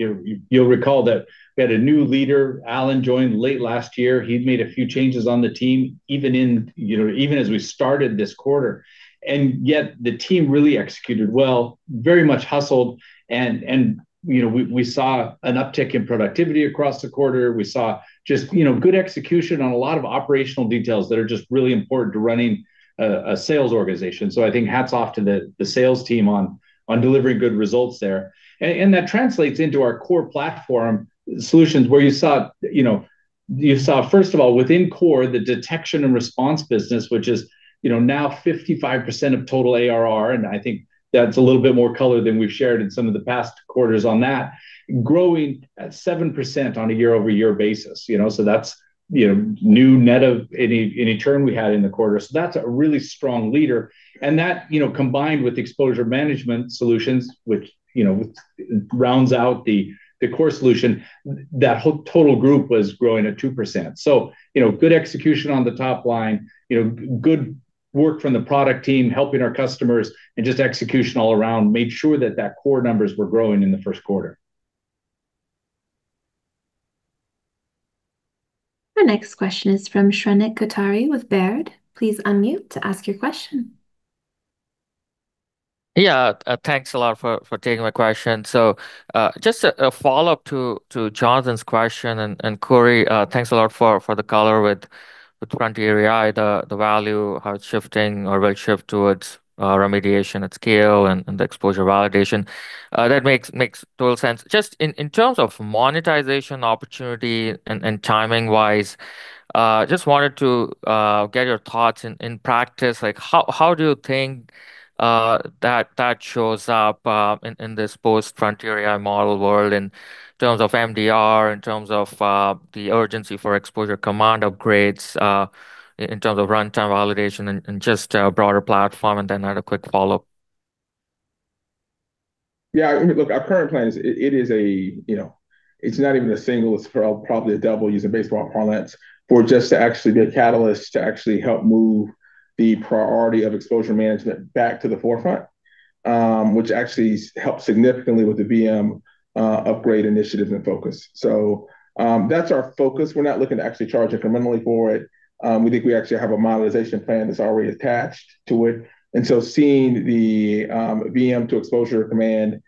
You'll recall that we had a new leader, Alan, join late last year. He'd made a few changes on the team, even in, you know, even as we started this quarter. Yet the team really executed well, very much hustled and, you know, we saw an uptick in productivity across the quarter. We saw just, you know, good execution on a lot of operational details that are just really important to running a sales organization. I think hats off to the sales team on delivering good results there. That translates into our core platform solutions where you saw, you know, first of all, within core, the Detection and Response business, which is, you know, now 55% of total ARR. I think that's a little bit more color than we've shared in some of the past quarters on that, growing at 7% on a year-over-year basis. That's, you know, new net of any churn we had in the quarter. That's a really strong leader. That, you know, combined with Exposure Management solutions, which, you know, which rounds out the core solution, that whole total group was growing at 2%. You know, good execution on the top line, you know, good work from the product team helping our customers and just execution all around made sure that core numbers were growing in the first quarter. Our next question is from Shrenik Kothari with Baird. Please unmute to ask your question. Yeah. Thanks a lot for taking my question. Just a follow-up to Jonathan's question, and Corey, thanks a lot for the color with Frontier AI, the value, how it's shifting or will shift towards remediation at scale, and the exposure validation. That makes total sense. Just in terms of monetization opportunity and timing-wise, just wanted to get your thoughts in practice. Like, how do you think that shows up in this post-frontier AI model world in terms of MDR, in terms of the urgency for Exposure Command upgrades, in terms of runtime validation, and just a broader platform? Then I had a quick follow-up. Yeah. Look, our current plan is it is a, you know, it's not even a single, it's probably a double, using baseball parlance, for just to actually be a catalyst to actually help move the priority of exposure management back to the forefront, which actually helps significantly with the VM upgrade initiative and focus. That's our focus. We're not looking to actually charge incrementally for it. We think we actually have a monetization plan that's already attached to it. Seeing the VM to Exposure Command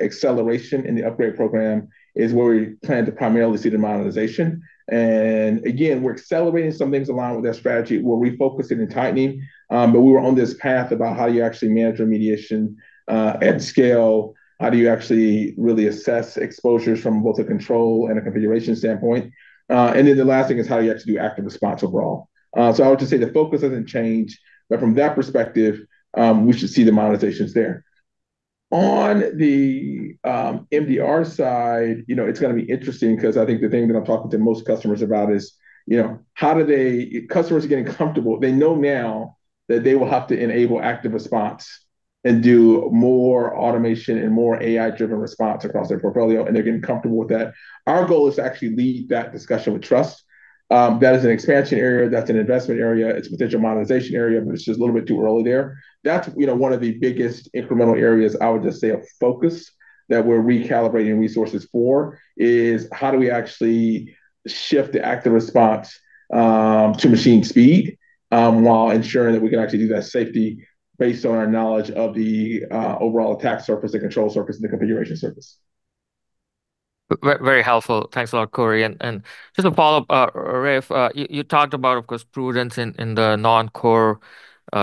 acceleration in the upgrade program is where we plan to primarily see the monetization. We're accelerating some things along with that strategy. We're refocusing and tightening, we were on this path about how you actually manage remediation at scale. How do you actually really assess exposures from both a control and a configuration standpoint? The last thing is how you actually do active response overall. I would just say the focus doesn't change, but from that perspective, we should see the monetizations there. On the MDR side, you know, it's going to be interesting because I think the thing that I'm talking to most customers about is, you know, Customers are getting comfortable. They know now that they will have to enable active response and do more automation and more AI-driven response across their portfolio, and they're getting comfortable with that. Our goal is to actually lead that discussion with trust. That is an expansion area. That's an investment area. It's a potential monetization area, but it's just a little bit too early there. That's, you know, one of the biggest incremental areas, I would just say, of focus that we're recalibrating resources for, is how do we actually shift the active response to machine speed, while ensuring that we can actually do that safety based on our knowledge of the overall attack surface, the control surface, and the configuration surface. Very helpful. Thanks a lot, Corey. Just a follow-up, Rafe, you talked about, of course, prudence in the non-core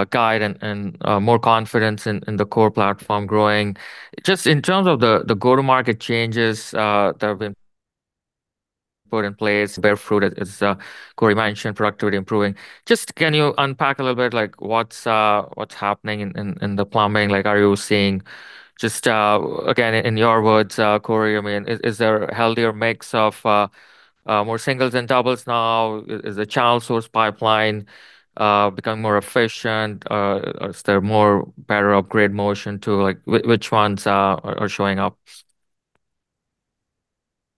guide and more confidence in the core platform growing. Just in terms of the go-to-market changes that have been put in place, bear fruit as Corey mentioned, productivity improving. Just can you unpack a little bit, like, what's happening in the plumbing? Like, are you seeing just, again, in your words, Corey, I mean, is there a healthier mix of more singles than doubles now? Is the channel source pipeline becoming more efficient? Is there more better upgrade motion to, like, which ones are showing up?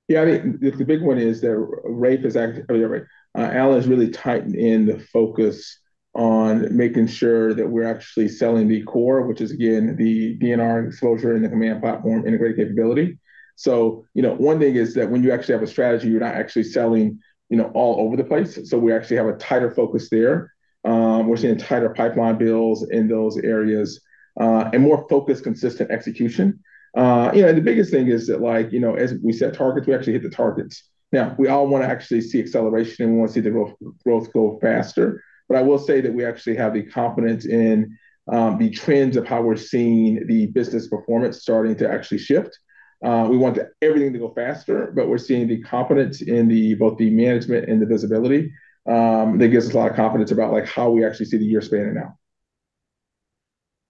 The big one is that Rafe has, yeah, right. Alan has really tightened in the focus on making sure that we're actually selling the core, which is, again, the D&R exposure and the Command Platform integrated capability. You know, one thing is that when you actually have a strategy, you're not actually selling, you know, all over the place. We actually have a tighter focus there. We're seeing tighter pipeline builds in those areas and more focused, consistent execution. You know, the biggest thing is that, like, you know, as we set targets, we actually hit the targets. Now, we all wanna actually see acceleration, and we wanna see the growth go faster. I will say that we actually have the confidence in the trends of how we're seeing the business performance starting to actually shift. We want everything to go faster, but we're seeing the confidence in the, both the management and the visibility, that gives us a lot of confidence about how we actually see the year spanning out.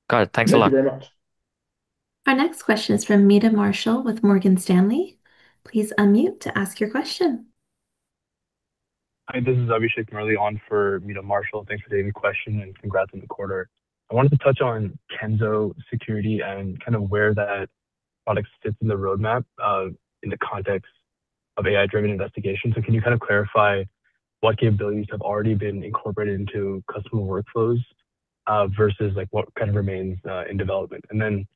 Got it. Thanks a lot. [AUDIO DISTORTION] Our next question is from Meta Marshall with Morgan Stanley. Please unmute to ask your question. Hi, this is Abhishek Murli on for Meta Marshall. Thanks for taking the question. Congrats on the quarter. I wanted to touch on Kenzo Security and kind of where that product sits in the roadmap in the context of AI-driven investigation. Can you kind of clarify what capabilities have already been incorporated into customer workflows versus, like what kind of remains in development? Just,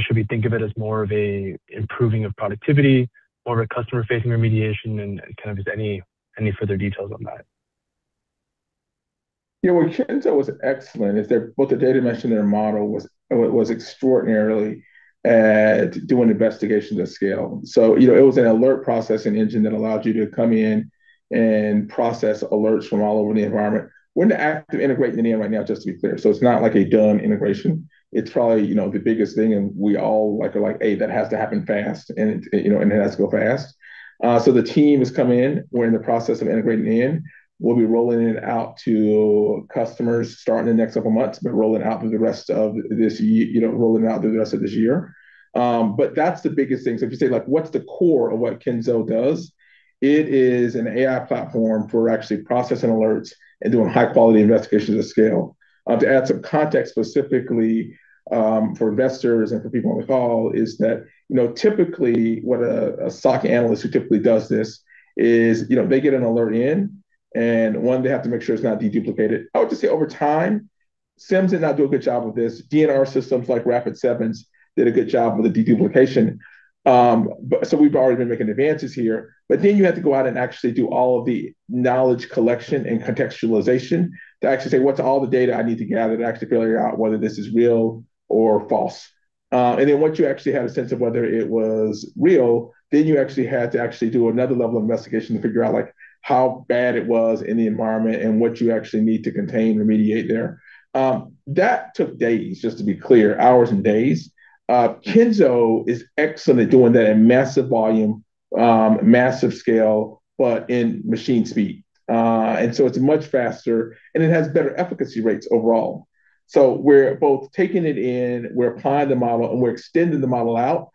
should we think of it as more of a improving of productivity or a customer-facing remediation and kind of just any further details on that? Well, Kenzo was excellent. Both the data dimension and their model was extraordinarily at doing investigations at scale. You know, it was an alert processing engine that allowed you to come in and process alerts from all over the environment. We're in the act of integrating it in right now, just to be clear. It's not like a done integration. It's probably, you know, the biggest thing, we all like are like, "Hey, that has to happen fast," you know, it has to go fast. The team has come in. We're in the process of integrating it in. We'll be rolling it out to customers starting the next couple of months, but rolling out through the rest of this year, you know, rolling out through the rest of this year. That's the biggest thing. If you say, like what's the core of what Kenzo does? It is an AI platform for actually processing alerts and doing high-quality investigations at scale. To add some context specifically, for investors and for people on the call is that, you know, typically what a SOC analyst who typically does this is, you know, they get an alert in, one, they have to make sure it's not deduplicated. I would just say over time, SIEM did not do a good job of this. D&R systems like Rapid7's did a good job with the deduplication. We've already been making advances here. You have to go out and actually do all of the knowledge collection and contextualization to actually say, "What's all the data I need to gather to actually figure out whether this is real or false?" Once you actually had a sense of whether it was real, then you actually had to actually do another level of investigation to figure out like how bad it was in the environment and what you actually need to contain and remediate there. That took days, just to be clear, hours and days. Kenzo is excellent at doing that at massive volume, massive scale, but in machine speed. It's much faster, and it has better efficacy rates overall. We're both taking it in, we're applying the model, and we're extending the model out,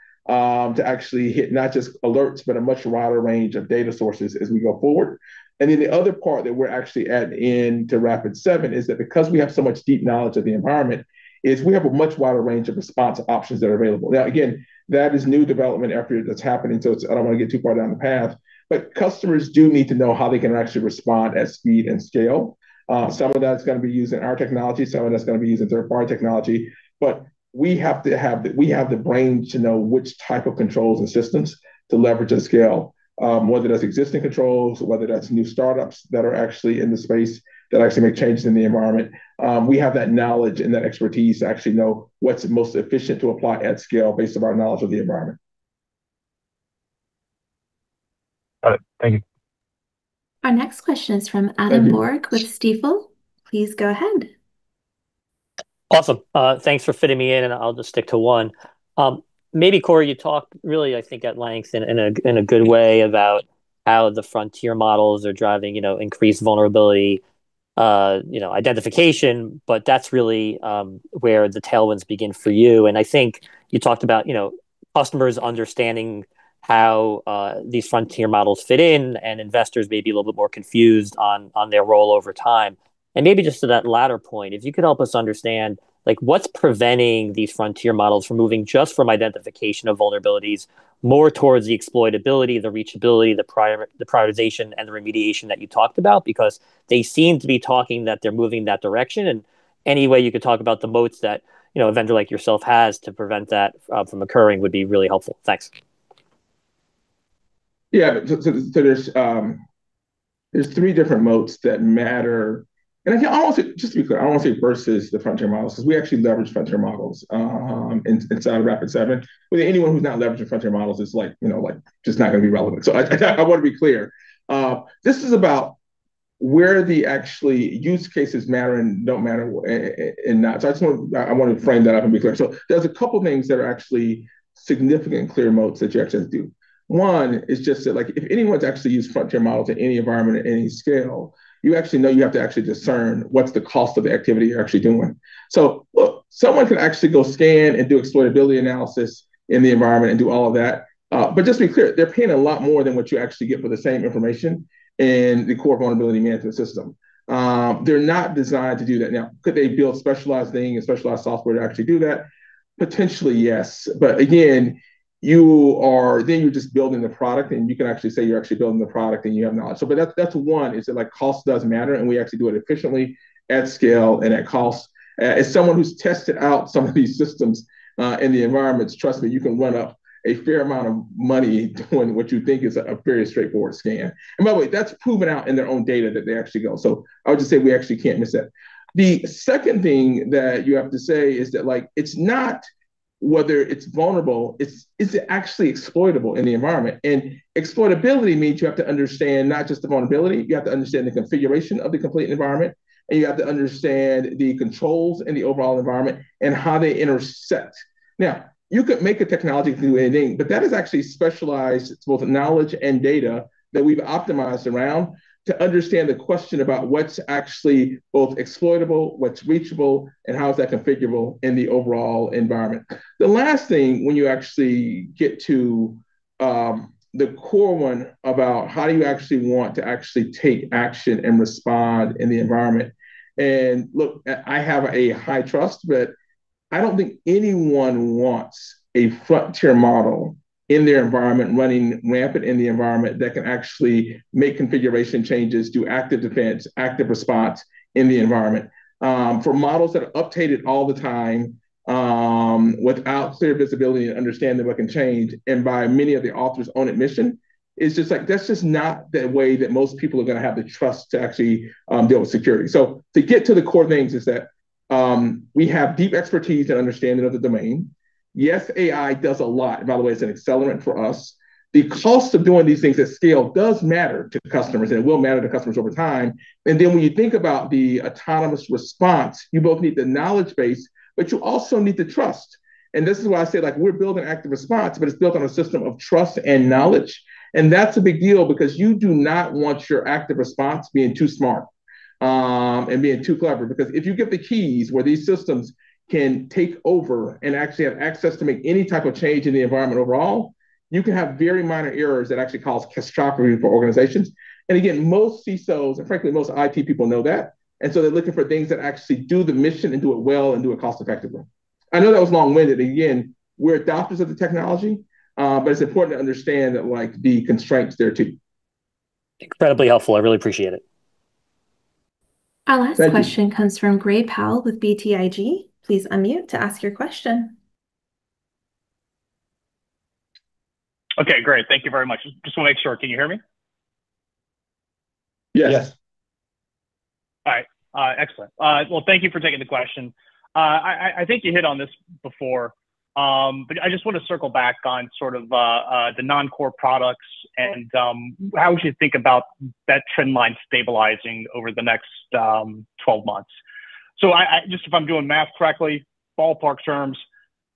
to actually hit not just alerts, but a much wider range of data sources as we go forward. The other part that we're actually adding into Rapid7 is that because we have so much deep knowledge of the environment, is we have a much wider range of response options that are available. Now, again, that is new development effort that's happening. I don't wanna get too far down the path. Customers do need to know how they can actually respond at speed and scale. Some of that's gonna be using our technology, some of that's gonna be using third-party technology. We have the brain to know which type of controls and systems to leverage at scale. Whether that's existing controls or whether that's new startups that are actually in the space that actually make changes in the environment. We have that knowledge and that expertise to actually know what's most efficient to apply at scale based on our knowledge of the environment. All right. Thank you. Our next question is from Adam Borg with Stifel. Please go ahead. Awesome. Thanks for fitting me in, and I'll just stick to one. Maybe Corey, you talked really, I think at length in a good way about how the frontier models are driving, you know, increased vulnerability, you know, identification, but that's really where the tailwinds begin for you. I think you talked about, you know, customers understanding how these frontier models fit in, and investors may be a little bit more confused on their role over time. Maybe just to that latter point, if you could help us understand, like what's preventing these frontier models from moving just from identification of vulnerabilities more towards the exploitability, the reachability, the prioritization, and the remediation that you talked about. They seem to be talking that they're moving that direction. Any way you could talk about the moats that, you know, a vendor like yourself has to prevent that from occurring would be really helpful. Thanks. Yeah. There's three different moats that matter. I think I want to say, just to be clear, I want to say versus the frontier models, 'cause we actually leverage frontier models inside of Rapid7. Anyone who's not leveraging frontier models is like, you know, like just not going to be relevant. I want to be clear. This is about where the actually use cases matter and don't matter and not. I want to frame that up and be clear. There's a couple things that are actually significant clear moats that you actually have to do. One is just that like if anyone's actually used frontier models in any environment at any scale, you actually know you have to actually discern what's the cost of the activity you're actually doing. Look, someone can actually go scan and do exploitability analysis in the environment and do all of that. Just to be clear, they're paying a lot more than what you actually get for the same information in the core vulnerability management system. They're not designed to do that. Now, could they build specialized thing and specialized software to actually do that? Potentially, yes. Again, then you're just building the product, and you can actually say you're actually building the product and you have knowledge. That's one is that like cost does matter, and we actually do it efficiently at scale and at cost. As someone who's tested out some of these systems, in the environments, trust me, you can run up a fair amount of money doing what you think is a very straightforward scan. By the way, that's proven out in their own data that they actually go. I would just say we actually can't miss that. The second thing that you have to say is that like it's not whether it's vulnerable, it's, is it actually exploitable in the environment? Exploitability means you have to understand not just the vulnerability, you have to understand the configuration of the complete environment, and you have to understand the controls in the overall environment and how they intersect. You could make a technology to do anything, but that is actually specialized both knowledge and data that we've optimized around to understand the question about what's actually both exploitable, what's reachable, and how is that configurable in the overall environment. The last thing, the core one about how you actually want to actually take action and respond in the environment. Look, I have a high trust, but I don't think anyone wants a frontier model in their environment, running rampant in the environment that can actually make configuration changes, do active defense, active response in the environment. For models that are updated all the time, without clear visibility and understanding of what can change, and by many of the author's own admission, it's just like that's just not the way that most people are gonna have the trust to actually deal with security. To get to the core things is that we have deep expertise and understanding of the domain. Yes, AI does a lot. By the way, it's an accelerant for us. The cost of doing these things at scale does matter to customers, and it will matter to customers over time. When you think about the autonomous response, you both need the knowledge base, but you also need the trust. This is why I say, like, we're building active response, but it's built on a system of trust and knowledge, and that's a big deal because you do not want your active response being too smart and being too clever. If you get the keys where these systems can take over and actually have access to make any type of change in the environment overall, you can have very minor errors that actually cause catastrophe for organizations. Again, most CISOs and frankly most IT people know that, they're looking for things that actually do the mission and do it well and do it cost-effectively. I know that was long-winded. Again, we're adopters of the technology, it's important to understand, like, the constraints there too. Incredibly helpful. I really appreciate it. Our last question comes from Gray Powell with BTIG. Please unmute to ask your question. Okay, great. Thank you very much. Just wanna make sure, can you hear me? Yes. Yes. All right. Excellent. Well, thank you for taking the question. I think you hit on this before, but I just want to circle back on sort of the non-core products and how we should think about that trend line stabilizing over the next 12 months. Just if I'm doing math correctly, ballpark terms,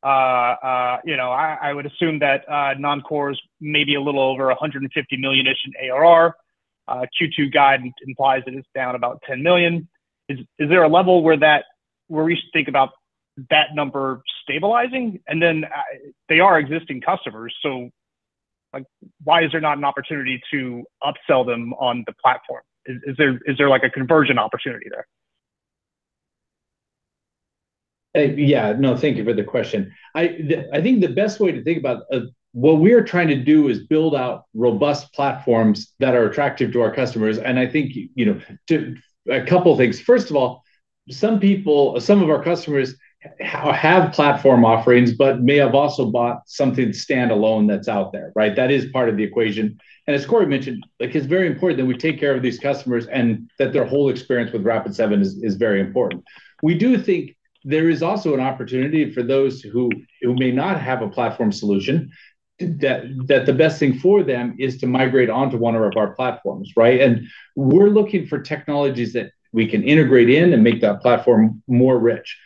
you know, I would assume that non-core is maybe a little over $150 million-ish in ARR. Q2 guidance implies that it's down about $10 million. Is there a level where we should think about that number stabilizing? They are existing customers, like, why is there not an opportunity to upsell them on the platform? Is there like a conversion opportunity there? Thank you for the question. I think the best way to think about what we're trying to do is build out robust platforms that are attractive to our customers. I think, you know, a couple things. First of all, some people, some of our customers have platform offerings but may have also bought something standalone that's out there, right? That is part of the equation. As Corey mentioned, like, it's very important that we take care of these customers and that their whole experience with Rapid7 is very important. We do think there is also an opportunity for those who may not have a platform solution, that the best thing for them is to migrate onto one of our platforms, right? We're looking for technologies that we can integrate in and make that platform more rich.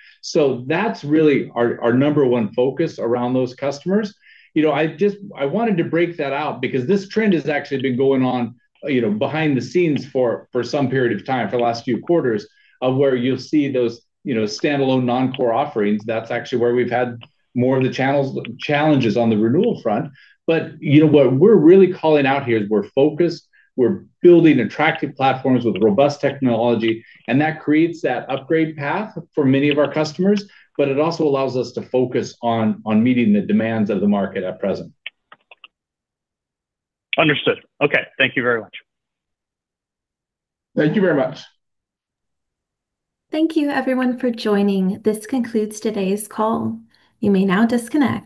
That's really our number one focus around those customers. You know, I wanted to break that out because this trend has actually been going on, you know, behind the scenes for some period of time, for the last few quarters, of where you'll see those, you know, standalone non-core offerings. That's actually where we've had more of the challenges on the renewal front. You know, what we're really calling out here is we're focused, we're building attractive platforms with robust technology, and that creates that upgrade path for many of our customers, but it also allows us to focus on meeting the demands of the market at present. Understood. Okay. Thank you very much. Thank you very much. Thank you, everyone, for joining. This concludes today's call. You may now disconnect.